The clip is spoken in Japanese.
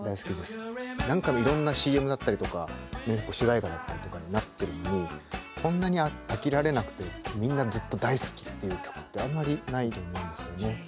何回もいろんなＣＭだったりとか主題歌だったりとかになってるのにこんなに飽きられなくてみんなずっと大好きっていう曲ってあんまりないと思うんですよね。